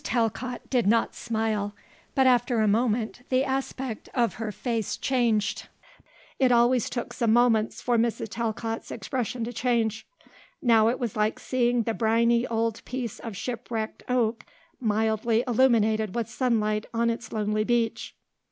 Talcott did not smile; but, after a moment, the aspect of her face changed; it always took some moments for Mrs. Talcott's expression to change. Now it was like seeing the briny old piece of shipwrecked oak mildly illuminated with sunlight on its lonely beach.